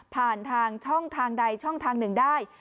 ผ่านทางช่องทางใดช่องทางหนึ่งได้